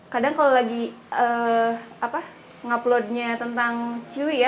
kadang kalau lagi upload nya tentang chihwi ya